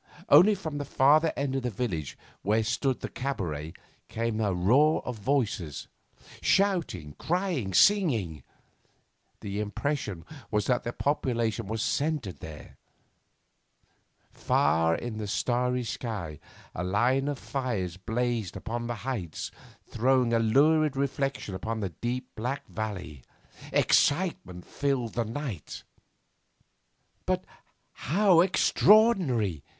Only from the farther end of the village, where stood the cabaret, came a roar of voices, shouting, crying, singing. The impression was that the population was centred there. Far in the starry sky a line of fires blazed upon the heights, throwing a lurid reflection above the deep black valley. Excitement filled the night. 'But how extraordinary!